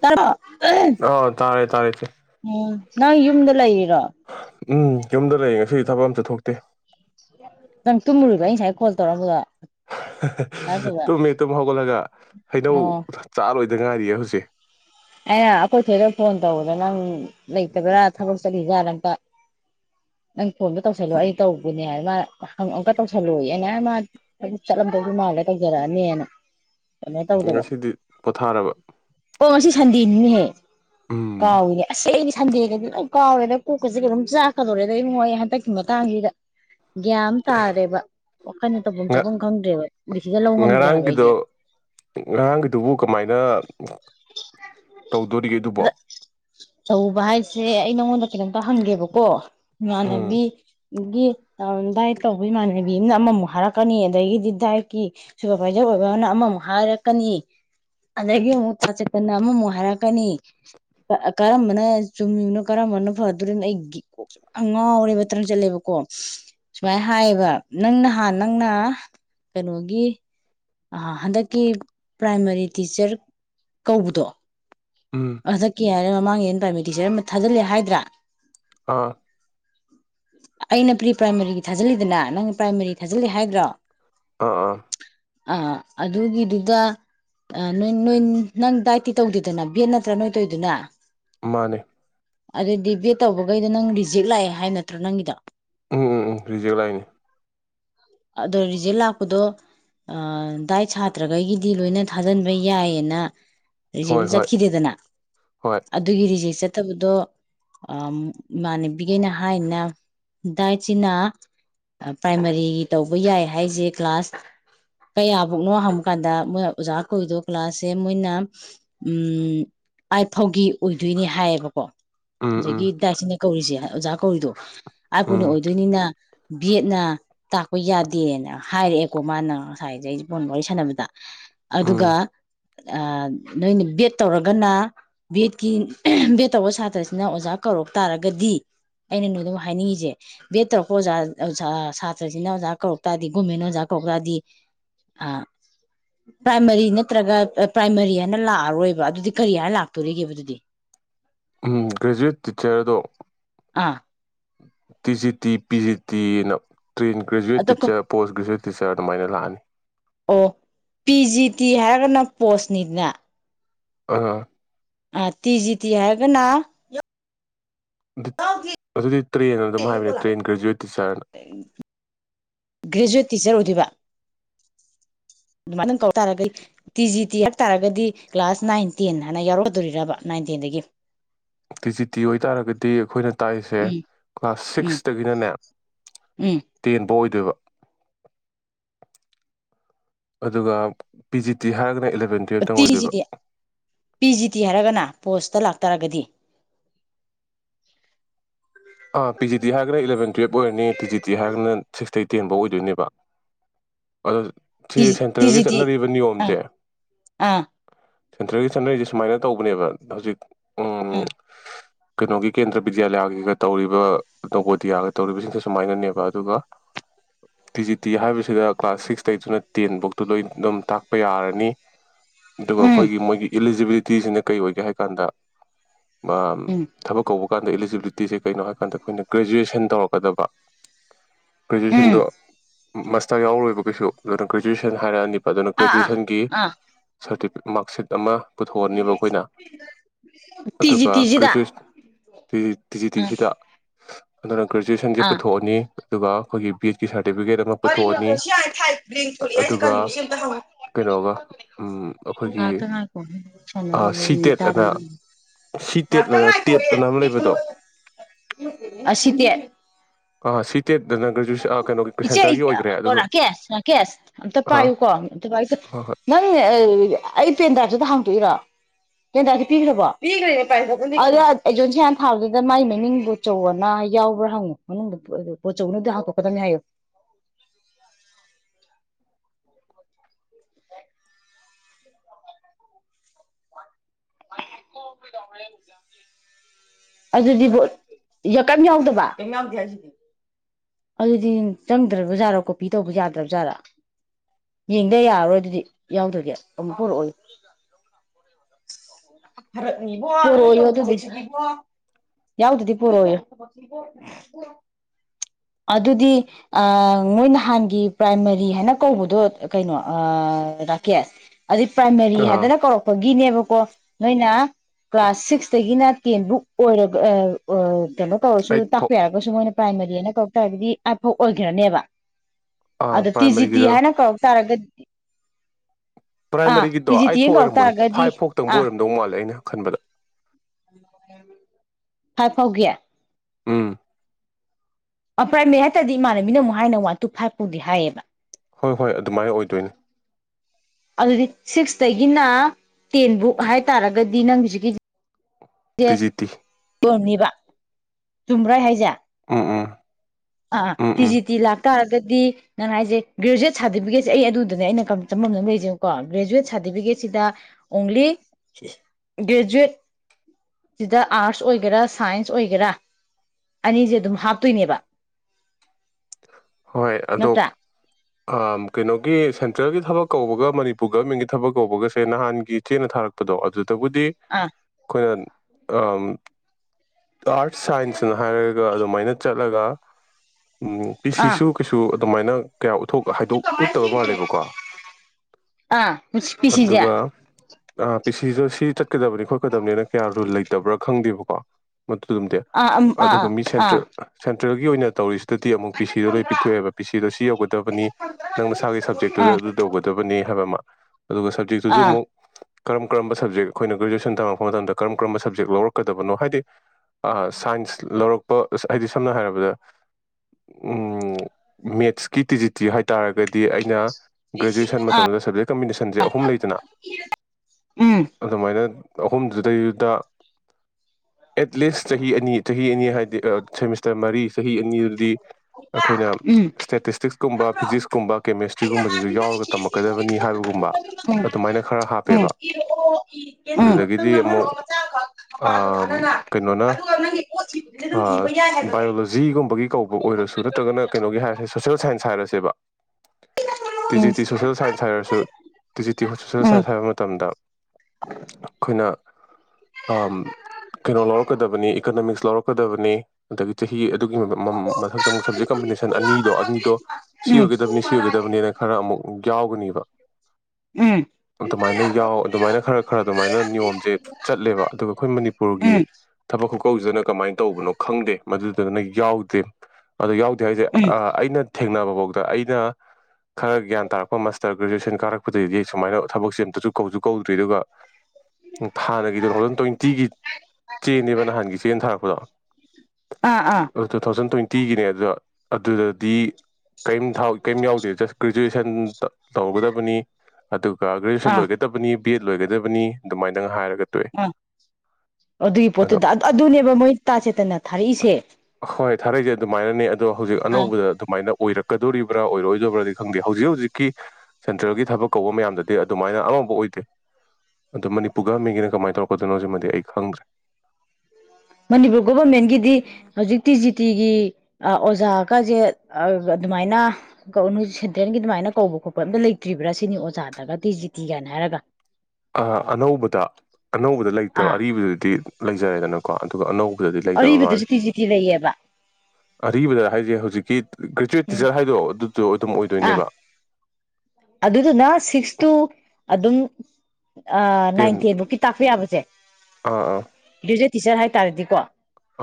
ꯇꯥꯔꯕꯣ ꯑꯥ ꯇꯥꯔꯦ ꯇꯥꯔꯦ ꯏꯆꯦ ꯎꯝ ꯅꯪ ꯌꯨꯃꯗ ꯂꯩꯔꯤꯔꯣ ꯎꯝ ꯌꯨꯝꯗ ꯂꯩꯌꯦ ꯉꯁꯤꯗꯤ ꯊꯕꯛ ꯑꯝ ꯆꯠꯊꯣꯛꯇꯦ ꯅꯪ ꯇꯨꯝꯃꯨꯔꯤꯕ꯭ꯔ ꯑꯩ ꯉꯁꯥꯏ ꯀꯣꯜ ꯇꯧꯔꯛꯑꯝꯕꯗꯣ ꯇꯥꯔꯛꯇꯕ꯭ꯔꯥ ꯇꯨꯝꯃꯦ ꯇꯨꯝ ꯍꯧꯒꯠꯂꯒ ꯍꯩꯅꯧ ꯑꯣ ꯆꯥꯂꯣꯏꯗ ꯉꯥꯏꯔꯤꯌꯦ ꯍꯧꯖꯤꯛꯁꯦ ꯑꯩꯅ ꯑꯩꯈꯣꯏ ꯊꯣꯏꯗ ꯐꯣꯟ ꯇꯧꯕꯗ ꯅꯪ ꯂꯩꯇꯕ꯭ꯔꯥ ꯊꯕꯛ ꯆꯠꯂꯤ ꯖꯥꯠꯂ ꯑꯝꯇ ꯅꯪ ꯐꯣꯟ ꯑꯝꯇ ꯇꯧꯁꯜꯂꯣ ꯑꯩ ꯇꯧꯕꯅꯦ ꯍꯥꯏ ꯃꯥ ꯑꯃꯨꯛꯀ ꯇꯧꯁꯜꯂꯣꯌꯦ ꯑꯦ ꯑꯩꯅ ꯃꯥ ꯆꯠꯂꯝꯗꯧꯗꯤ ꯃꯥꯜꯂꯦ ꯇꯧꯖꯔꯛꯑꯅꯤꯅ ꯀꯩꯅꯣ ꯇꯧꯗꯕ ꯉꯁꯤꯗꯤ ꯄꯣꯊꯥꯔꯕ ꯑꯣ ꯏꯗꯅꯤꯍꯦ ꯎꯝ ꯀꯥꯎ ꯏꯅꯦ ꯑꯁ ꯑꯩꯗꯤ ꯁꯟꯗꯦꯒꯗꯤ ꯂꯣꯏ ꯀꯥꯎꯔꯦ ꯑꯗ ꯀꯣꯛꯀꯁꯤ ꯑꯗꯨꯝ ꯆꯥꯛꯀꯗꯧꯔꯦꯗ ꯏꯕꯨꯡꯉꯣ ꯑꯩ ꯍꯟꯗꯛꯀꯤ ꯃꯇꯥꯡꯁꯤꯗ ꯒ꯭ꯌꯥꯟ ꯑꯝ ꯇꯥꯗꯦꯕ ꯋꯥꯈꯅ ꯇꯧꯐꯝ ꯉ ꯆꯐꯝ ꯈꯪꯗ꯭ꯔꯦꯕ ꯗꯤꯁꯤꯖꯟ ꯂꯧ ꯉꯝꯗ꯭ꯔꯦ ꯍꯥꯏꯕ ꯉꯔꯥꯡꯒꯤꯗꯣ ꯑꯩꯁꯦ ꯉꯔꯥꯡꯒꯤꯗꯨꯕꯨ ꯀꯃꯥꯏꯅ ꯇꯧꯗꯣꯔꯤꯒꯦ ꯑꯗꯨꯕꯣ ꯑꯗ ꯇꯧꯕ ꯍꯥꯏꯁꯦ ꯑꯩ ꯅꯉꯣꯟꯗ ꯀꯩꯩꯅꯣꯝꯇ ꯍꯪꯒꯦꯕꯀꯣ ꯎꯝ ꯏꯃꯥꯅꯕꯤ ꯒꯤ ꯗꯥꯏꯠ ꯇꯧꯕ ꯏꯃꯥꯟꯅꯕꯤ ꯑꯃꯅ ꯑꯃꯃꯨꯛ ꯍꯥꯏꯔꯛꯀꯅꯤ ꯑꯗꯒꯤꯗꯤ ꯗꯥꯏꯠꯀꯤ ꯁꯨꯄꯔꯚꯥꯏꯖꯔ ꯑꯣꯏꯕ ꯑꯃꯅ ꯑꯃꯃꯨꯛ ꯍꯥꯏꯔꯛꯀꯅꯤ ꯑꯗꯒꯤ ꯑꯃꯨꯛ ꯗꯥꯛꯇꯔꯅ ꯑꯃꯃꯨꯛ ꯍꯥꯏꯔꯛꯀꯅꯤ ꯀꯔꯝꯕꯅ ꯆꯨꯝꯃꯤꯅꯣ ꯀꯔꯝꯕꯅ ꯐꯗꯣꯏꯔꯤꯅꯣ ꯑꯩ ꯒ꯭ꯌ ꯀꯣꯛ ꯉꯥꯎꯔꯦꯕ ꯇꯔꯪ ꯆꯠꯂꯦꯕꯀꯣ ꯁꯨꯃꯥꯏꯅ ꯍꯥꯏꯌꯦꯕ ꯅꯪ ꯅꯍꯥꯟ ꯅꯪꯅ ꯀꯩꯅꯣꯒꯤ ꯍꯟꯗꯛꯀꯤ ꯄ꯭ꯔꯥꯏꯃꯥꯔꯤ ꯇꯤꯆꯔ ꯀꯧꯕꯗꯣ ꯎꯝ ꯑꯗ ꯀ꯭ꯌꯔ ꯃꯃꯥꯡ ꯌꯦꯟ ꯄ꯭ꯔꯥꯏꯃꯔꯤ ꯇꯤꯆꯔ ꯑꯃ ꯊꯥꯖꯜꯂꯦ ꯍꯥꯏꯗ꯭ꯔꯥ ꯑꯥ ꯑꯩꯅ ꯄ꯭ꯔꯤ ꯄ꯭ꯔꯥꯏꯃꯥꯔꯤꯒꯤ ꯊꯥꯖꯤꯜꯂꯤꯗꯅ ꯅꯪ ꯄ꯭ꯔꯥꯏꯃꯥꯔꯤ ꯊꯥꯖꯤꯜꯂꯤ ꯍꯥꯏꯗ꯭ꯔꯣ ꯑꯥ ꯑꯥ ꯑ ꯑꯗꯨꯒꯤꯗꯨꯗ ꯅꯣꯏ ꯅꯣꯏ ꯅꯪ ꯗꯥꯏꯠꯇꯤ ꯇꯧꯗꯦꯗꯅ ꯕꯦꯠ ꯅꯠꯇ꯭ꯔꯥ ꯅꯣꯏ ꯇꯧꯏꯗꯨꯅ ꯃꯥꯅꯦ ꯑꯗꯨꯗꯤ ꯕꯦꯠ ꯇꯧꯕꯈꯩꯗꯣ ꯅꯪ ꯔꯤꯖꯦꯛ ꯂꯥꯛꯑꯦ ꯍꯥꯏ ꯅꯠꯇ꯭ꯔꯣ ꯅꯪꯒꯤꯗ ꯎꯝ ꯎꯝ ꯎꯝ ꯔꯤꯖꯦꯛ ꯂꯥꯛꯏꯅꯦ ꯑꯗꯣ ꯔꯤꯖꯦꯛ ꯂꯥꯛꯄꯗꯣ ꯑ ꯗꯥꯏꯠ ꯁꯥꯇ꯭ꯔꯒꯩꯒꯤꯗꯤ ꯂꯣꯏꯅ ꯊꯥꯖꯤꯟꯕ ꯌꯥꯏꯌꯦꯅ ꯔꯤꯖꯦꯛ ꯍꯣꯏ ꯍꯣꯏ ꯆꯠꯈꯤꯗꯦꯗꯅ ꯍꯣꯏ ꯑꯗꯨꯒꯤ ꯔꯤꯖꯦꯛ ꯆꯠ ꯐꯠꯇꯕꯗꯣ ꯑ ꯏꯃꯥꯟꯅꯕꯤꯈꯩꯅ ꯍꯥꯏꯅ ꯗꯥꯏꯠꯁꯤꯅ ꯄ꯭ꯔꯥꯏꯃꯥꯔꯤ ꯇꯧꯕ ꯌꯥꯏ ꯍꯥꯏꯁꯦ ꯀ꯭ꯂꯥꯁ ꯀꯌꯥꯐꯧꯅꯣ ꯍꯪꯕꯀꯥꯟꯗ ꯃꯣꯏꯅ ꯑꯣꯖꯥ ꯀꯧꯏꯗꯣ ꯀ꯭ꯂꯥꯁꯁꯦ ꯃꯣꯏꯅ ꯎ ꯑꯥꯏꯠ ꯐꯥꯎꯒꯤ ꯑꯣꯏꯗꯣꯏꯅꯤ ꯍꯥꯏꯌꯦꯕꯀꯣ ꯎꯝ ꯎꯝ ꯖꯤꯛꯀꯤ ꯗꯥꯢꯠꯁꯤꯅ ꯀꯧꯔꯤꯁꯦ ꯑꯣꯖꯥ ꯀꯧꯔꯤꯗꯣ ꯑꯩꯠꯕꯨꯅꯣ ꯎꯝ ꯑꯣꯏꯗꯣꯏꯅꯤꯅ ꯕꯤꯌꯦꯠꯅ ꯇꯥꯛꯄ ꯌꯥꯗꯦꯅ ꯍꯥꯏꯔꯛꯑꯦꯀꯣ ꯃꯥꯅ ꯉꯁꯥꯏꯗꯩ ꯑꯩꯁꯨ ꯐꯣꯟ ꯋꯥꯔꯤ ꯁꯥꯟꯅꯕꯗ ꯎꯝ ꯑꯗꯨꯒ ꯑꯥ ꯅꯣꯏꯅ ꯕꯦꯠ ꯇꯧꯔꯒꯅ ꯕꯦꯠꯀꯤ ꯕꯦꯠ ꯇꯧꯕ ꯁꯥꯇ꯭ꯔꯁꯤꯅ ꯑꯣꯖꯥ ꯀꯧꯔꯛ ꯇꯥꯔꯒꯗꯤ ꯑꯩꯅ ꯅꯣꯏꯗ ꯍꯥꯏꯅꯤꯡꯉꯤꯁꯦ ꯕꯦꯠ ꯇꯧꯔꯛꯄ ꯑꯣꯖꯥ ꯁꯥꯇ ꯆꯖꯤꯅ ꯑꯣꯖ ꯀꯧꯔꯛ ꯇꯥꯔꯗꯤ ꯒꯣꯔꯃꯦꯟꯅ ꯑꯣꯖ ꯀꯧꯔꯛ ꯇꯥꯔꯗꯤ ꯑ ꯄ꯭ꯔꯥꯏꯃꯔꯤ ꯅꯠꯇ꯭ꯔꯒ ꯄ꯭ꯔꯥꯏꯃꯔꯤ ꯑꯅ ꯂꯥꯛꯑꯔꯣꯏꯕ ꯑꯗꯨꯗꯤ ꯀꯔꯤ ꯍꯥꯏꯅ ꯂꯥꯛꯇꯣꯔꯤꯒꯦꯕ ꯑꯗꯨꯗꯤ ꯎꯝ ꯒ꯭ꯔꯦꯖꯨꯋꯦꯠ ꯇꯤꯆꯔꯗꯣ ꯑꯥ T G T P G ꯇꯤꯅ ꯇ꯭ꯔꯦꯟ ꯒ꯭ꯔꯦꯖꯨꯋꯦꯠ ꯑꯗꯣ ꯇꯤꯆꯔ ꯄꯣꯁ ꯒ꯭ꯔꯦꯖꯨꯋꯦꯠ ꯇꯤꯆꯔ ꯑꯗꯨꯃꯥꯏꯅ ꯂꯥꯛꯍꯟ ꯑꯣ ꯄꯤ ꯖꯤ ꯇꯤ ꯍꯥꯏꯔꯒꯅ ꯄꯣꯁꯅꯤꯅ ꯑꯥ ꯑ ꯇꯤ ꯖꯤ ꯇꯤ ꯍꯥꯏꯔꯒꯅꯥ ꯑꯗꯨꯗꯤ ꯇ꯭ꯔꯦꯟ ꯑꯗꯨꯝ ꯍꯥꯏꯕꯅꯤ ꯇ꯭ꯔꯦꯟ ꯒ꯭ꯔꯦꯖꯨꯋꯦꯠ ꯇꯤꯆꯔ ꯑꯅ ꯒ꯭ꯔꯦꯖꯨꯋꯦꯠ ꯇꯤꯆꯔ ꯑꯣꯏꯗꯨꯕ ꯑꯗꯨꯃꯥꯏꯗꯪ ꯀꯧꯔꯛ ꯇꯥꯔꯒꯗꯤ ꯇꯤ ꯖꯤ ꯇꯤ ꯍꯞ ꯇꯥꯔꯒꯗꯤ ꯀ꯭ꯂꯥꯁ ꯅꯥꯏꯟ ꯇꯦꯟ ꯍꯥꯏꯅ ꯌꯥꯎꯔꯛꯗꯣꯝꯔꯤꯔꯕ ꯅꯥꯏꯟ ꯇꯦꯟꯗꯒꯤ ꯇꯤ ꯖꯤ ꯇꯤ ꯑꯣꯏꯇꯥꯥꯔꯒꯗꯤ ꯑꯩꯈꯣꯏꯅ ꯇꯥꯛꯏꯁꯦ ꯎꯝ ꯀ꯭ꯂꯥꯁ ꯎꯝ ꯁꯤꯛꯁꯇꯒꯤꯅꯅꯦ ꯎꯝ ꯇꯦꯟꯐꯥꯎ ꯑꯣꯏꯗꯣꯏꯕ ꯑꯗꯨꯒ ꯄꯤ ꯖꯤ ꯇꯤ ꯍꯥꯏꯔꯒꯅ ꯑꯦꯂ ꯄꯤꯖꯤꯗꯤ ꯄꯤ ꯖꯤꯇꯤ ꯍꯥꯏꯔꯒꯅ ꯄꯣꯁꯇ ꯂꯥꯛꯇꯥꯔꯒꯗꯤ ꯑ ꯄꯤꯖꯤ ꯇꯤ ꯍꯥꯏꯔꯒꯅ ꯏꯂꯚꯦꯟ ꯇꯨꯌꯦꯜꯞ ꯑꯣꯏꯔꯅꯤ ꯇꯤ ꯖꯤ ꯇꯤ ꯍꯥꯏꯔꯒꯅ ꯁꯤꯛ ꯇꯒꯤ ꯇꯦꯟꯐꯧ ꯑꯣꯏꯗꯣꯏꯅꯦꯕ ꯑꯗꯣ ꯁꯤ ꯇꯤ ꯖꯤ ꯁꯦꯟꯇ꯭ꯔꯦꯜꯒꯤ ꯇꯤ ꯆꯠꯅꯔꯤꯕ ꯑꯥ ꯅꯤꯌꯣꯝꯁꯦ ꯑꯥ ꯁꯦꯟꯇ꯭ꯔꯒꯤ ꯆꯠꯅꯔꯤꯁꯦ ꯁꯨꯃꯥꯏꯅ ꯇꯧꯕꯅꯦꯕ ꯍꯧꯖꯤꯛ ꯎꯝ ꯀꯩꯅꯣꯒꯤ ꯀꯦꯟꯗ꯭ꯔ ꯕꯤꯗ꯭ꯌꯥꯂꯌꯥꯒꯤꯒ ꯇꯧꯔꯤꯕ ꯅꯣꯕꯣꯗꯤꯌꯥꯒ ꯇꯧꯔꯤꯕꯁꯤꯡꯁꯦ ꯁꯨꯃꯥꯏꯅꯅꯦꯕ ꯑꯗꯨꯒ ꯇꯤ ꯖꯤ ꯇꯤ ꯍꯥꯏꯕꯁꯤꯗ ꯀ꯭ꯂꯥꯁ ꯁꯤꯛꯁ ꯇꯩꯗꯨꯅ ꯇꯦꯟꯕꯨꯛꯇꯨ ꯂꯣꯏ ꯑꯗꯨꯝ ꯇꯥꯛꯄ ꯌꯥꯔꯅꯤ ꯑꯗꯨꯒ ꯎꯝ ꯑꯩꯈꯣꯏꯒꯤ ꯃꯣꯏꯒꯤ ꯏꯂꯤꯖꯤꯕꯤꯂꯤ ꯇꯤꯁꯤꯅ ꯀꯩ ꯑꯣꯏꯒꯦ ꯍꯥꯏ ꯀꯥꯟꯗ ꯃꯥ ꯎꯝ ꯊꯕꯛ ꯀꯧꯕ ꯀꯥꯟꯗ ꯑꯦꯂꯤꯖꯤꯕꯤꯂꯤ ꯇꯤꯁꯦ ꯀꯩꯅꯣ ꯍꯥꯏꯀꯥꯟꯗ ꯑꯩꯈꯣꯏꯅ ꯒ꯭ꯔꯦꯖꯨꯑꯦꯁꯟ ꯇꯧꯔꯛꯀꯗꯕ ꯒ꯭ꯔꯦꯖꯨꯌꯦꯁꯟꯗꯣ ꯎꯝ ꯃꯥꯁꯇꯔ ꯌꯥꯎꯔꯣꯏꯕ ꯀꯩꯁꯨ ꯑꯗꯨꯅ ꯒ꯭ꯔꯦꯖꯨꯋꯦꯁꯟ ꯍꯥꯏꯔꯛꯑꯅꯤ ꯑꯗꯨꯅ ꯑꯥ ꯑꯥ ꯒ꯭ꯔꯦꯖꯨꯌꯦꯁꯟꯒꯤ ꯑꯥ ꯁꯔꯇꯤꯐꯤ ꯃꯥꯔꯛꯁꯤꯠ ꯑꯃ ꯄꯨꯊꯣꯛꯑꯅꯤꯕ ꯑꯩꯈꯣꯏꯅ ꯇꯤ ꯖꯤ ꯑꯗꯨꯒ ꯇꯤꯁꯤꯗ ꯒ꯭ꯔꯦꯖꯨꯌꯦꯠꯁ ꯠꯤ ꯇꯤꯖꯤ ꯇꯤ ꯎꯝ ꯁꯤꯗ ꯑꯗꯣ ꯅꯪ ꯒ꯭ꯔꯦꯖꯨꯌꯦꯁꯟꯁꯦ ꯄꯨꯊꯣꯛꯑꯅꯤ ꯑꯗꯨꯒ ꯑꯈꯣꯢꯒꯤ ꯕꯦꯠꯀꯤ ꯁꯔ ꯀꯔꯤꯅꯣ ꯁꯤ ꯌꯥ ꯊꯥꯏ ꯊꯣꯔꯛꯑꯦ ꯍꯥꯏꯁꯦ ꯑꯗꯨꯒ ꯀꯔꯤꯅꯣ ꯁꯤ ꯑꯇ ꯍꯉꯣ ꯀꯩꯅꯣꯒ ꯎꯝ ꯑꯩꯈꯣꯏꯒꯤ ꯉꯥꯏ ꯉꯍꯥꯛꯇ ꯁꯤ ꯇꯦꯠ ꯑꯅ ꯁꯤ ꯉꯥꯏꯈꯣ [inaudible] ꯑꯁꯤꯗꯤ ꯑ ꯁꯤꯇꯦꯠꯇꯅ ꯒ꯭ꯔꯦꯖꯨꯌꯦꯁꯟ ꯑ ꯀꯩꯅꯣ ꯏꯆꯦ ꯑꯩ ꯑꯣ ꯔꯥꯀꯦꯁ ꯔꯥꯀꯦꯁ ꯑꯝꯇ ꯑꯥ ꯄꯥꯏꯌꯨꯀꯣ ꯑꯝꯇ ꯄꯥꯏꯌꯨꯀꯣ ꯍꯣꯏ ꯍꯣꯏ ꯅꯪ ꯑꯩ ꯄꯦꯟꯗ꯭ꯔꯥꯐ ꯑꯗꯨꯗ ꯍꯥꯡꯇꯣꯛꯏꯔꯣ ꯄꯦꯟꯗ꯭ꯔꯥꯐꯇꯤ ꯄꯤꯈ꯭ꯔꯕꯣ ꯑꯦ ꯖꯣꯟꯁꯤ ꯍꯥꯏꯅ ꯊꯥꯕꯗꯨꯗ ꯃꯥꯒꯤ ꯃꯃꯤꯡ ꯕꯣꯆꯧ ꯑꯅ ꯌꯥꯎꯕ꯭ꯔꯥ ꯍꯪꯉꯨ ꯃꯅꯨꯡꯗ ꯕꯣꯆꯧꯑꯅꯗꯤ ꯍꯥꯡꯇꯣꯛꯀꯗꯕꯅꯤ ꯍꯥꯏꯌꯣ [inaudible] ꯑꯗꯨꯗꯤ ꯀꯩꯑꯝ ꯌꯥꯎꯗꯕ ꯑꯗꯨꯗꯤ ꯆꯪꯗ꯭ꯔꯕꯖꯥꯠꯂꯣ ꯀꯣꯄꯤ ꯇꯧꯕ ꯌꯥꯗ꯭ꯔꯕꯖꯥꯠꯂ ꯌꯦꯡꯗ ꯌꯥꯔꯔꯣꯏ ꯑꯗꯨꯗꯤ ꯌꯥꯎꯗꯗꯤ ꯑꯃꯨꯛ ꯄꯨꯔꯛꯑꯣꯌꯨ [inaudible] ꯄꯨꯔꯛꯑꯣꯌꯨ ꯑꯗꯨꯗꯤ ꯌꯥꯎꯗꯗꯤ ꯄꯣꯔꯛꯑꯣ ꯑꯗꯨꯗꯤ ꯑꯥ ꯃꯣꯏ ꯅꯍꯥꯟꯒꯤ ꯄ꯭ꯔꯥꯏꯃꯥꯔꯤ ꯍꯥꯏꯅ ꯀꯧꯕꯗꯣ ꯀꯩꯅꯣ ꯑꯥ ꯔꯥ ꯀꯦꯁ ꯑꯗꯩ ꯄ꯭ꯔꯥꯏꯃꯥꯔꯤ ꯑꯥ ꯍꯥꯏꯗꯅ ꯀꯧꯔꯛꯄꯒꯤꯅꯦꯕ ꯀꯣ ꯅꯣꯏꯅ ꯀ꯭ꯂꯥꯁ ꯁꯤꯛꯁꯇꯒꯤꯅ ꯇꯦꯟꯕꯨꯛ ꯑꯣꯏꯔꯒ ꯑꯥ ꯑꯥ ꯀꯩꯅꯣ ꯇꯧꯔꯁꯨ ꯑꯩꯠ ꯐꯥꯎ ꯇꯥꯛꯄ ꯌꯥꯔꯒꯁꯨ ꯃꯣꯏꯅ ꯄ꯭ꯔꯥꯏꯃꯔꯤ ꯍꯥꯏꯅ ꯀꯧꯔꯛ ꯇꯥꯔꯒꯗꯤ ꯑꯥꯏꯠ ꯐꯥꯎ ꯑꯣꯏꯈ꯭ꯔꯅꯦꯕ ꯑꯥ ꯑꯗ ꯇꯤ ꯖꯤ ꯇꯤ ꯄ꯭ꯔꯥꯏꯃꯥꯔꯤꯒꯤꯗꯣ ꯍꯥꯏꯅ ꯀꯧꯔꯛ ꯇꯥꯔꯒꯗꯤ ꯑꯥ ꯄ꯭ꯔꯥꯏꯃꯥꯔꯤꯒꯤꯗꯣ ꯇꯤ ꯖꯤ ꯑꯩꯠ ꯇꯤ ꯑꯅ ꯐꯥꯎ ꯀꯧꯔꯛ ꯑꯣꯏꯔꯝꯃꯣꯏ ꯇꯥꯔꯒꯗꯤ ꯐꯥꯏꯚ ꯐꯥꯎꯇꯪ ꯕꯨ ꯑꯣꯏꯔꯝꯗꯧ ꯃꯥꯜꯂꯦ ꯑꯩꯅ ꯈꯟꯕꯗ ꯎꯝ [inaudible] ꯐꯥꯏꯕ ꯐꯥꯎꯒꯤ ꯎꯝ ꯑ ꯄ꯭ꯔꯥꯏꯃꯔꯤ ꯍꯥꯏꯇꯔꯗꯤ ꯏꯃꯥꯟꯅꯕꯤꯅ ꯑꯃꯨꯛ ꯍꯥꯏꯅ ꯋꯥꯟ ꯇꯨ ꯐꯥꯏꯕ ꯐꯥꯎꯗꯤ ꯍꯥꯏꯌꯦꯕ ꯍꯣꯏ ꯍꯣꯏ ꯑꯗꯨꯃꯥꯏꯅ ꯑꯣꯏꯗꯣꯏꯅꯤ ꯑꯗꯨꯗꯤ ꯁꯤꯛꯁꯇꯒꯤꯅ ꯇꯦꯟꯕꯨꯛ ꯍꯥꯏꯇꯥꯔꯒꯗꯤ ꯅꯪꯒꯤ ꯍꯧꯖꯤꯛꯀꯤ ꯇꯤ ꯖꯤ ꯇꯤ [unintelligible] ꯔꯅꯤꯕ ꯆꯨꯝꯕ꯭ꯔ ꯑꯩ ꯍꯥꯏꯖꯦ ꯎꯝ ꯎꯝ ꯑꯥ ꯎꯝ ꯎꯝ ꯇꯤꯖꯤ ꯇꯤ ꯂꯥꯛ ꯇꯥꯔꯒꯗꯤ ꯅꯪ ꯍꯥꯏꯁꯦ ꯒ꯭ꯔꯦꯖꯨꯋꯦꯠ ꯁꯥꯔꯇꯤꯐꯤꯀꯦꯠꯁꯦ ꯑꯩ ꯑꯗꯨꯗꯨꯅꯦ ꯑꯩꯅ ꯆꯃꯝꯅꯕ ꯂꯩꯖꯦ ꯌꯦꯉꯨꯀꯣ ꯒ꯭ꯔꯦꯖꯨꯋꯦꯠ ꯁꯥꯔꯇꯤꯐꯤꯀꯦꯠꯁꯤꯗ ꯑꯣꯡꯂꯤ ꯒ꯭ꯔꯦꯖꯨꯋꯦꯠ ꯁꯤꯗ ꯑꯥꯔꯠꯁ ꯑꯣꯏꯒꯦꯔꯥ ꯁꯥꯏꯟꯁ ꯑꯣꯏꯒꯦꯔꯥ ꯑꯅꯤꯁꯦ ꯑꯗꯨꯝ ꯍꯥꯞꯇꯣꯏꯅꯦꯕ ꯍꯣꯏ ꯑꯗꯣ ꯅꯠꯇ꯭ꯔꯥ ꯀ ꯀꯩꯅꯣꯒꯤ ꯁꯦꯟꯇ꯭ꯔꯦꯜꯒꯤ ꯊꯕꯛ ꯀꯧꯕꯒ ꯃꯅꯤꯄꯨꯔ ꯒꯔꯃꯦꯟꯒꯤ ꯊꯕꯛ ꯀꯧꯕꯒꯁꯦ ꯅꯍꯥꯟꯒꯤ ꯏꯆꯦꯅ ꯊꯥꯔꯛꯄꯗꯣ ꯑꯗꯨ ꯇꯧꯕꯨꯗꯤ ꯑꯥ ꯑꯩꯈꯣꯏꯅ ꯑꯥꯝ ꯑꯥꯔꯠꯁ ꯁꯥꯏꯟꯁꯅ ꯍꯥꯏꯔꯒ ꯑꯗꯨꯃꯥꯏꯅ ꯆꯠꯂꯒ ꯎꯝ ꯄꯤ ꯑꯥ ꯁꯤꯁꯨ ꯀꯩꯁꯨ ꯗꯨꯨꯃꯥꯏꯅ ꯀꯌꯥ ꯑꯨꯊꯣꯛ ꯍꯥꯏꯗꯣꯛ ꯎꯠꯇꯕ ꯃꯥꯜꯂꯦꯕꯀꯣ ꯑꯥ ꯄꯤꯁꯤꯁꯦ ꯑꯗꯨꯒ ꯑꯥ ꯑ ꯄꯤ ꯁꯤꯁꯨ ꯁꯤ ꯆꯠꯀꯗꯕꯅꯤ ꯈꯣꯠꯀꯗꯕꯅꯤꯅ ꯀꯌꯥ ꯔꯨꯜ ꯂꯩꯇꯕ꯭ꯔꯥ ꯈꯪꯗꯦꯕꯀꯣ ꯃꯗꯨꯗꯨꯝꯗꯤ ꯑꯥ ꯑꯥ ꯑꯗꯨꯒ ꯃꯤ ꯑꯥ ꯁꯦꯟꯇ꯭ꯔ ꯒꯤ ꯑꯣꯏꯅ ꯇꯧꯔꯤꯁꯤꯗ ꯄꯤ ꯁꯤꯗꯣ ꯂꯣꯏ ꯄꯤꯊꯣꯛꯑꯦꯕ ꯄꯤ ꯁꯤꯗꯣ ꯁꯤ ꯌꯧꯒꯗꯕꯅꯤ ꯅꯪ ꯃꯁꯥꯒꯤ ꯁꯞꯖꯦꯛꯇꯨꯗ ꯑꯥ ꯑꯗꯨ ꯇꯧꯒꯗꯕꯅꯦ ꯍꯥꯏꯕ ꯑꯃ ꯑꯗꯨꯒ ꯁꯞꯖꯦꯛꯇꯨꯁꯨ ꯑꯥ ꯑꯃꯨꯛ ꯀꯔꯝ ꯀꯔꯝꯕ ꯁꯕꯖꯦꯛ ꯑꯩꯈꯣꯏꯅ ꯒ꯭ꯔꯦꯖꯨꯋꯦꯁꯟ ꯇꯝꯉꯛꯄ ꯃꯇꯝꯗ ꯀꯔꯝ ꯀꯔꯝꯕ ꯁꯕꯖꯦꯛ ꯂꯧꯔꯛꯀꯗꯕꯅꯣ ꯍꯥꯏꯗꯤ ꯁꯥꯏꯟꯁ ꯂꯧꯔꯛꯄ ꯍꯥꯏꯗꯤ ꯁꯝꯅ ꯍꯥꯏꯔꯕꯗ ꯎꯝ ꯃꯦꯠꯁꯀꯤ ꯇꯤꯖꯤꯇꯤ ꯍꯥꯏꯇꯥꯥꯔꯒꯗꯤ ꯑꯩꯅ ꯒ꯭ꯔꯦꯖꯨꯑꯦꯁꯟ ꯑꯥ ꯃꯇꯝꯗ ꯁꯞꯖꯦꯛ ꯀꯝꯕꯤꯁꯟꯁꯦ ꯑꯍꯨꯝ ꯂꯩꯗꯅ ꯎꯝ ꯑꯗꯨꯃꯥꯏꯅ ꯑꯍꯨꯝ ꯗꯨꯗꯩꯗꯨꯗ ꯑꯦꯠ ꯂꯤꯁ ꯆꯍꯤ ꯑꯅꯤ ꯆꯍꯤ ꯑꯅꯤ ꯍꯥꯏꯗꯤ ꯑ ꯁꯦꯃꯤꯁꯇꯔ ꯃꯔꯤ ꯆꯍꯤ ꯑꯅꯤꯗꯨꯗꯤ ꯑꯩꯈꯣꯏꯅ ꯎꯝ ꯏꯁꯇꯦꯇꯤꯁꯇꯤꯛꯁ ꯀꯨꯝꯕ ꯐꯤꯖꯤꯛꯁꯀꯨꯝꯕ ꯀꯦꯃꯦꯁꯇ꯭ꯔꯤꯒꯨꯝꯕꯁꯤꯁꯨ ꯌꯥꯎꯔꯒ ꯇꯝꯃꯛꯀꯗꯕꯅꯤ ꯍꯥꯏꯕꯒꯨꯝꯕ ꯑꯗꯨꯃꯥꯏꯅ ꯈꯔ ꯍꯥꯞꯄꯦꯕ ꯑꯗꯨꯗꯒꯤꯗꯤ ꯑꯃꯨꯛ ꯑ ꯀꯩꯅꯣꯅ ꯑ ꯕꯥꯏꯑꯣꯂꯣꯖꯤꯒꯨꯝꯕꯒꯤ ꯕ ꯑꯣꯏꯔꯁꯨ ꯅꯠꯇ꯭ꯔꯒꯅ ꯀꯩꯅꯣꯒꯤ ꯍꯥꯏꯔꯁꯦ ꯁꯣꯁꯦꯜ ꯁꯥꯏꯟꯁ ꯍꯥꯏꯔꯁꯦꯕ ꯇꯤ ꯖꯤ ꯎꯝ ꯎꯝ ꯎꯝ ꯇꯤ ꯁꯣꯁꯦꯜ ꯁꯥꯏꯟꯁ ꯍꯥꯏꯔꯁꯨ T G T social science ꯍꯥꯏꯕ ꯃꯇꯝꯗ ꯑꯩꯈꯣꯏꯅ ꯀꯩꯅꯣ ꯑꯝ ꯂꯧꯔꯛꯀꯗꯕꯅꯤ ꯏꯀꯅꯣꯃꯤꯛꯁ ꯂꯧꯔꯛꯀꯗꯕꯅꯤ ꯑꯗꯒꯤ ꯆꯍꯤ ꯑꯗꯃꯨꯛ ꯁꯞꯖꯦꯛ ꯀꯝꯕꯤꯅꯦꯁꯟ ꯑꯅꯤꯗꯣ ꯑꯅꯤꯗꯣ ꯁꯤ ꯑꯣꯏꯒꯗꯕꯅꯤ ꯁꯤ ꯑꯣꯏꯒꯗꯕꯅꯤꯅ ꯈꯔ ꯑꯃꯨꯛ ꯌꯥꯎꯒꯅꯤꯕ ꯎꯝ ꯎꯝ ꯑꯗꯨꯃꯥꯏꯅ ꯌꯥꯎ ꯑꯗꯨꯃꯥꯏꯅ ꯈꯔ ꯈꯔ ꯑꯗꯨꯃꯥꯏꯅ ꯑꯗꯨꯃꯥꯢ ꯌꯥꯎ ꯑꯗꯨꯃꯥꯢꯅ ꯈꯔ ꯈꯔ ꯑꯗꯨꯃꯥꯢꯅ ꯅꯤꯌꯣꯝꯁꯦ ꯆꯠꯂꯦꯕ ꯑꯗꯨꯒ ꯑꯩꯈꯣꯏ ꯃꯅꯤꯄꯨꯔꯒꯤ ꯊꯕꯛ ꯈꯨꯀꯧꯁꯤꯗꯅ ꯀꯃꯥꯏꯅ ꯇꯧꯕꯅꯣ ꯈꯪꯗꯦ ꯃꯗꯨꯗꯅ ꯌꯥꯎ ꯇꯦ ꯑꯗꯥ ꯌꯥꯎꯗꯦ ꯍꯥꯏꯁꯦ ꯎꯝ ꯑꯥ ꯑꯩꯅ ꯊꯦꯡꯅꯕꯐꯥꯎꯕꯗ ꯑꯩꯅ ꯈꯔ ꯒ꯭ꯌꯥꯟ ꯇꯥꯔꯛꯄ ꯃꯥꯁꯇꯔ ꯒ꯭ꯔꯦꯖꯨꯑꯦꯁꯟ ꯀꯥꯔꯛꯄꯗꯩꯗꯤ ꯁꯨꯃꯥꯏꯅ ꯊꯕꯛꯁꯦ ꯑꯝꯇꯁꯨ ꯀꯧꯁꯨ ꯀꯧꯗ꯭ꯔꯤ ꯑꯗꯨꯒ ꯍꯥꯟꯅꯒꯤ ꯇꯨ ꯊꯥꯎꯖꯟ ꯇ꯭ꯋꯦꯟꯇꯤꯒꯤ ꯆꯦꯅꯦꯕ ꯅꯍꯥꯟꯒꯤ ꯆꯦꯟ ꯊꯥꯔꯛꯄꯗꯣ ꯑꯥ ꯑꯥ ꯑꯗꯨ ꯇꯨ ꯊꯥꯎꯖꯟ ꯇ꯭ꯋꯦꯟ ꯇꯤꯒꯤꯅꯦ ꯑꯗꯣ ꯑꯗꯨꯗꯗꯤ ꯀꯩꯝ ꯀꯩꯝ ꯌꯥꯎꯗꯦ ꯖ꯭ꯁ ꯒ꯭ꯔꯦꯖꯨꯑꯦ ꯁꯟ ꯇꯧꯒꯗꯕꯅꯤ ꯑꯗꯨꯒ ꯒ꯭ꯔꯦꯖꯨꯋꯦꯁꯟ ꯑꯥ ꯂꯣꯏꯒꯗꯕꯅꯤ ꯄꯦꯠ ꯂꯣꯏꯒꯗꯕꯅꯤ ꯑꯗꯨꯃꯥꯏꯅꯗꯪ ꯍꯥꯏꯔꯒ ꯇꯣꯛꯑꯦ ꯑꯥ ꯑꯗꯨꯒꯤ ꯑꯗꯣ ꯄꯣꯠꯇꯨꯗ ꯑꯗꯨꯅꯦꯕ ꯃꯣꯏ ꯇꯥꯥꯆꯦꯇꯟ ꯅ ꯊꯥꯔꯛꯏꯁꯦ ꯊꯔꯛꯢꯁꯦ ꯑꯗꯨꯃꯥꯏꯅꯅꯤ ꯑꯗꯣ ꯍꯧꯖꯤꯛ ꯑ ꯑꯅꯧꯕꯗ ꯑꯗꯨꯃꯥꯏꯅ ꯑꯣꯏꯔꯛꯀꯗꯣꯔꯤꯕ꯭ꯔꯥ ꯑꯣꯏꯔꯛꯑꯣꯏꯗꯣꯔꯤꯕ꯭ꯔꯗꯤ ꯈꯪꯗꯦ ꯍꯧꯖꯤꯛ ꯍꯧꯖꯤꯛꯀꯤ ꯁꯦꯟꯇ꯭ꯔꯦꯜꯒꯤ ꯊꯕꯛ ꯀꯧꯕ ꯃꯌꯥꯝꯗꯗꯤ ꯑꯗꯨꯃꯥꯏꯅ ꯑꯃꯕꯧ ꯑꯣꯏꯗꯦ ꯑꯗꯣ ꯃꯅꯤꯄꯨꯔ ꯒꯃꯦꯟꯒꯤꯅ ꯀꯃꯥꯏꯅ ꯇꯧꯔꯛꯀꯗꯣꯏꯅꯣ ꯍꯧꯖꯤꯛꯃꯒꯤꯗꯤ ꯑꯩ ꯈꯪꯗ꯭ꯔꯦ ꯃꯅꯤꯄꯨꯔ ꯒꯣꯚꯔꯃꯦꯟꯒꯤꯗꯤ ꯍꯧꯖꯤꯛ ꯇꯤꯖꯤ ꯖꯤꯇꯤꯒꯤ ꯑꯥ ꯑꯣꯖꯥꯒꯁꯦ ꯑꯥ ꯑꯗꯨꯃꯥꯏꯅ ꯀꯧ ꯅꯣꯢ ꯁꯦꯟꯇ꯭ꯔꯦꯜꯒꯤ ꯑꯗꯨꯃꯥꯏꯅ ꯀꯧꯕ ꯈꯣꯠꯄ ꯑꯝꯇ ꯂꯩꯇ꯭ꯔꯤꯕ꯭ꯔꯥ ꯁꯤꯅꯤ ꯑꯣꯖꯥꯗꯒ ꯇꯤ ꯖꯤꯇꯤꯒꯅ ꯍꯥꯏꯔꯒ ꯑ ꯑꯅꯧꯕꯗ ꯑꯅꯧꯕꯗ ꯂꯩꯇꯕ ꯑꯥ ꯑꯔꯤꯕꯗꯗꯤ ꯂꯩꯖꯔꯦꯗꯅꯀꯣ ꯑꯗꯨꯒ ꯑꯅꯧꯕ ꯗꯗꯤ ꯂꯩꯇꯕ ꯃꯥꯜꯂꯦ ꯑꯔꯤꯕꯗꯁꯨ ꯇꯤ ꯖꯤ ꯇꯤ ꯂꯩꯌꯦꯕ ꯑꯔꯤꯕꯗ ꯍꯥꯏꯁꯦ ꯍꯧꯖꯤꯛꯀꯤ ꯒ꯭ꯔꯦꯖꯨꯋꯦꯠ ꯎꯝ ꯇꯤꯆꯔ ꯍꯥꯏꯗꯣ ꯑꯗꯨꯗꯣ ꯑꯗꯨꯝ ꯑꯥ ꯑꯣꯏꯗꯣꯏꯅꯦꯕ ꯑꯗꯨꯗꯨꯅ ꯁꯤꯛꯁ ꯇꯨ ꯑꯗꯨꯝ ꯑ ꯅꯥꯏꯟ ꯇꯦꯟ ꯕꯨꯛꯀꯤ ꯇꯥꯛꯄ ꯌꯥꯕꯁꯦ ꯑꯥ ꯑꯥ ꯒ꯭ꯔꯦꯖꯨꯌꯦꯠ ꯇꯤꯆꯔ ꯍꯥꯏꯇꯥꯔꯗꯤꯀꯣ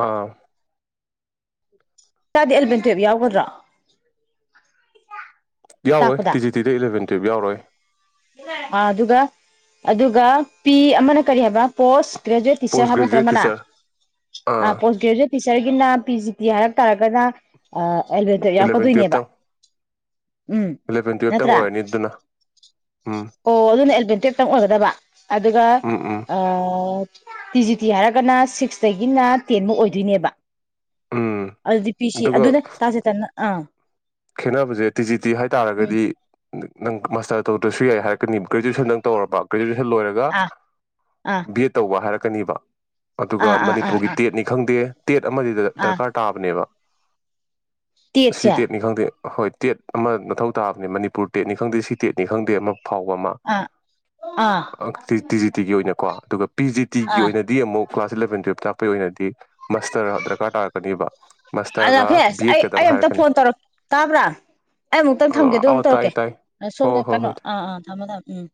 ꯑꯥ ꯇꯗꯤ ꯑꯜꯕꯟ ꯇꯦꯋꯦꯐ ꯌꯥꯎꯒꯗ꯭ꯔꯥ ꯌꯥꯎꯔꯣꯏ ꯇꯤ ꯖꯤ ꯇꯤꯗ ꯏꯂꯚꯦꯟ ꯇꯨꯌꯦꯜꯐ ꯌꯥꯎꯔꯣꯏ ꯑꯗꯨꯒ ꯑꯗꯨꯒ ꯄꯤ ꯑꯃꯅ ꯀꯔꯤ ꯍꯥꯏꯕꯥ ꯄꯣꯁ ꯭ꯒ꯭ꯔꯦꯖꯨꯋꯦꯠ ꯇꯤꯁꯔ ꯄꯣꯁ ꯍꯥꯏꯕ ꯅꯇ꯭ꯔꯥ ꯒ꯭ꯔꯦꯖꯨꯋꯦꯠ ꯑꯃꯅ ꯇꯤꯆꯔ ꯑ ꯑꯥ ꯄꯣꯁ ꯒ꯭ꯔꯦꯖꯨꯌꯦꯠ ꯇꯤ ꯁꯔꯒꯤꯅ ꯄꯤ ꯖꯤ ꯄꯤ ꯍꯥꯏꯔꯛ ꯇꯥꯔꯒꯅ ꯑ ꯑꯦꯜꯕꯦꯟ ꯇꯨꯌꯦꯕ ꯌꯥꯎꯀꯗꯣꯏꯅꯦꯕ ꯑꯦꯂꯚꯦꯟ ꯇꯨꯌꯦꯞꯇꯪ ꯑꯣꯏꯔꯅꯤ ꯑꯗꯨꯅ ꯎꯝ ꯑꯣ ꯑꯗꯨꯅ ꯑꯦꯂꯕꯦꯟ ꯇꯨꯌꯦꯕꯇꯪ ꯑꯣꯏꯒꯗꯕ ꯑꯗꯨꯒ ꯎꯝ ꯎꯝ ꯑ ꯇꯤ ꯖꯤ ꯇꯤ ꯍꯥꯏꯔꯒꯅ ꯁꯤꯛꯁꯇꯒꯤꯅ ꯇꯦꯟꯕꯨꯛ ꯑꯣꯏꯒꯗꯣꯏꯅꯦꯕ ꯎꯝ ꯑꯗꯨꯗꯤ ꯄꯤꯁꯤ ꯑꯗꯨꯒ ꯑꯗꯨꯅ ꯇꯥꯥꯆꯦꯇꯟꯅ ꯑ ꯈꯦꯠꯅꯕꯁꯦ ꯇꯤꯖꯤ ꯇꯤ ꯍꯥꯏ ꯎꯝ ꯇꯥꯔꯒꯗꯤ ꯅꯪ ꯃꯥꯁꯇꯔ ꯇꯧꯗ꯭ꯔꯁꯨ ꯌꯥꯏ ꯍꯥꯏꯔꯛꯀꯅꯤ ꯒ꯭ꯔꯦꯖꯨꯑꯦꯁꯟꯗꯪ ꯇꯧꯔꯕ ꯒ꯭ꯔꯦꯖꯨꯋ ꯂꯣꯏꯔꯒ ꯑꯥ ꯑꯥ ꯕꯤ ꯑꯦꯗ ꯇꯧꯕ ꯍꯥꯏꯔ ꯀꯅꯦꯕ ꯑꯗꯨꯒ ꯑꯥ ꯑꯥ ꯑꯥ ꯃꯅꯤꯄꯨꯔꯒꯤ ꯑꯥ ꯇꯦꯠꯅꯤ ꯈꯪꯗꯦ ꯇꯦꯠ ꯑꯃꯗꯤꯗ ꯗꯔꯀꯥꯔ ꯇꯥꯕꯅꯦꯕ ꯇꯦꯠ ꯁꯤ ꯁꯦ ꯇꯦꯠꯅꯤ ꯈꯪꯗꯦ ꯍꯣꯏ ꯇꯦꯠ ꯑꯃ ꯃꯊꯧ ꯇꯥꯕꯅꯦ ꯃꯅꯤꯄꯨꯔ ꯇꯦꯠꯅꯤ ꯈꯪꯗꯦ ꯁꯤ ꯇꯦꯠꯅꯤ ꯈꯪꯗꯦ ꯑꯃ ꯐꯥꯎꯕ ꯑꯃ ꯑꯥ ꯑꯥ ꯑ ꯇꯤ ꯖꯤ ꯇꯤ ꯖꯤꯒꯤ ꯑꯣꯏꯅꯀꯣ ꯑꯗꯨꯒ ꯄꯤ ꯖꯤ ꯇꯤꯒꯤ ꯑꯥ ꯑꯣꯏꯅꯗꯤ ꯑꯃꯨꯛ ꯀ꯭ꯂꯥꯁ ꯏꯂꯚꯦꯟ ꯇꯨꯌꯦꯞ ꯇꯥꯛꯄꯒꯤ ꯑꯣꯏꯅꯗꯤ ꯃꯁꯇꯔ ꯗꯔꯀꯥꯔ ꯇꯥꯔꯛꯀꯅꯦꯕ ꯃꯥꯁꯇꯔꯒ ꯕꯤ ꯑꯦꯗ ꯀꯗꯪ ꯍꯥꯏꯔꯛꯀꯅꯤ ꯑ ꯇꯥꯕ꯭ꯔꯥ ꯑꯩ ꯑꯃꯨꯛꯇꯪ ꯊꯝꯒꯦ ꯑꯗꯨ ꯑꯥꯎ ꯑꯃꯨꯛ ꯇꯥꯏ ꯇꯧꯔꯛꯀꯦ ꯇꯥꯏ ꯑ ꯍꯣꯏ ꯁꯣꯝꯗ ꯍꯣꯏ ꯀꯩꯅꯣ ꯍꯣꯏ ꯑꯥ ꯑꯥ ꯊꯝꯃꯣ ꯊꯝꯃꯣ ꯎꯝ [inaudible]